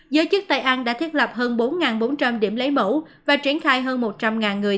giới chức tây ăn đã thiết lập hơn bốn bốn trăm linh điểm lấy mẫu và triển khai hơn một trăm linh người